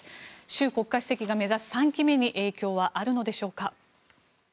習国家主席が目指す３期目に影響はあるのでしょうか。